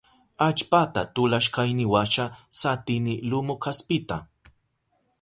Allpata tulashkayniwasha satini lumu kaspita.